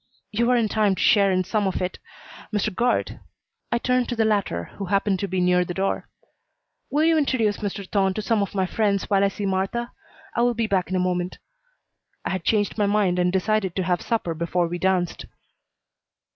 "You are in time to share in some of it. Mr. Guard" I turned to the latter, who happened to be near the door "will you introduce Mr. Thorne to some of my friends while I see Martha? I will be back in a moment." I had changed my mind and decided to have supper before we danced.